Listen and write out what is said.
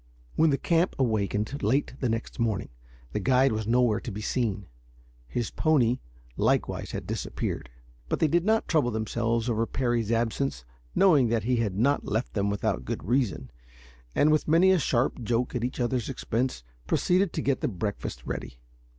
When the camp awakened, late the next morning, the guide was nowhere to be seen. His pony likewise had disappeared. But they did not trouble themselves over Parry's absence, knowing that he had not left them without good reason and with many a sharp joke at each other's expense proceeded to get the breakfast ready.